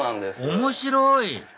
面白い！